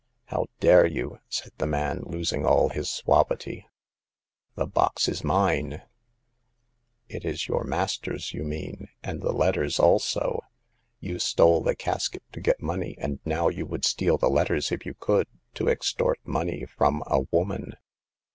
" How dare you !" said the man, losing all his suavity. The box is mine !"It is your master's, you mean ; and the let ters also. You stole the casket to get money, and now you would steal the letters, if you could, to extort money from a woman.